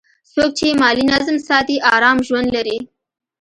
څوک چې مالي نظم ساتي، آرام ژوند لري.